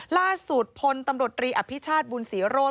ล่าสุดพลตำรวจรีอภิชาติบุญศรีโรธ